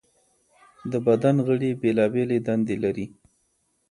د بدن غړي بېلابېلې دندې لري.